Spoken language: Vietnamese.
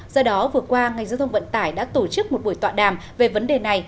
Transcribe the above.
do đó vừa qua ngành giao thông vận tải đã tổ chức một buổi tọa đàm về vấn đề này